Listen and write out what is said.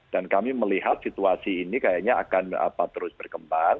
dan kami melihat situasi ini kayaknya akan terus berkembang